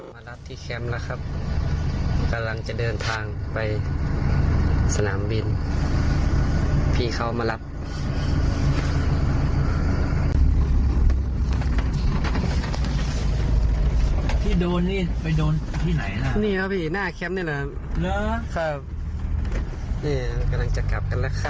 ครับกำลังจะกลับกันแล้วครับ